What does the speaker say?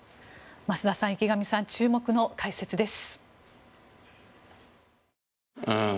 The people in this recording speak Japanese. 増田さん、池上さん注目の解説です。